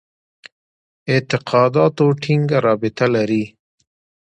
اعتقاداتو ټینګه رابطه لري.